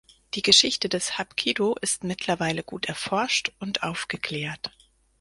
Die Geschichte des Hapkido ist mittlerweile gut erforscht und aufgeklärt.